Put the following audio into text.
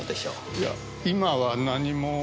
いや今は何も。